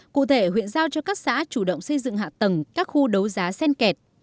cụ thể huyện giao cho các xã chủ động xây dựng hạ tầng các khu đấu giá sen kẹt